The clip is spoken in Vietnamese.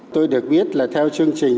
tôi được biết là theo chương trình